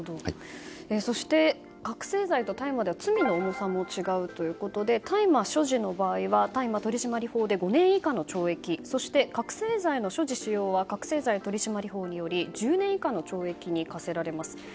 そして、覚醒剤と大麻では罪の重さも違うということで大麻所持の場合は大麻取締法で５年以下の懲役そして、覚醒剤の所持・使用は覚醒剤取締法により１０年以下の懲役に科されます。